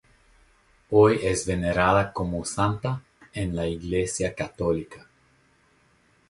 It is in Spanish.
Hoy es venerada como santa en la Iglesia católica.